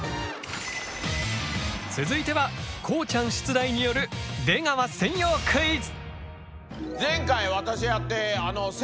続いてはこうちゃん出題による「出川専用クイズ」！